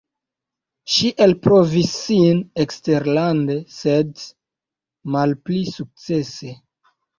Ŝi elprovis sin eksterlande, sed malpli sukcese.